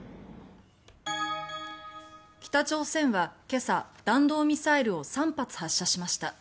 北朝鮮は今朝、弾道ミサイルを３発発射しました。